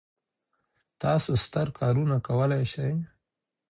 تاسو ستر کارونه کولای سئ.